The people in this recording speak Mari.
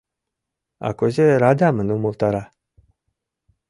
А кузе радамын умылтара.